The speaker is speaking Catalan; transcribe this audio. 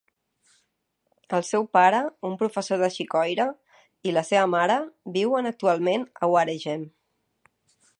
El seu pare, un professor de xicoira, i la seva mare, viuen actualment a Waregem.